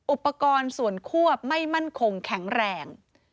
อุปกรณ์ส่วนควบไม่มั่นคงแข็งแรง